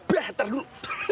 eh ntar dulu